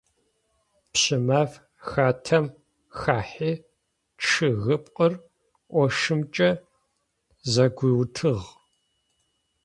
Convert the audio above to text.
Пщымаф хатэм хахьи чъыгыпкъыр ощымкӀэ зэгуиутыгъ.